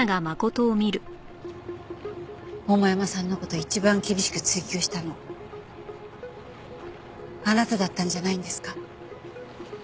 桃山さんの事を一番厳しく追及したのあなただったんじゃないんですか？